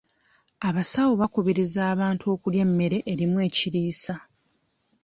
Abasawo bakubiriza abantu okulya emmere erimu ekiriisa.